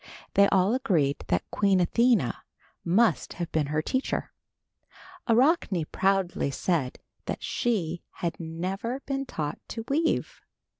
They all agreed that Queen Athena must have been her teacher. Arachne proudly said that she had never been taught to weave.